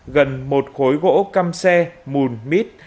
gần một khối gỗ căm xe mùn mít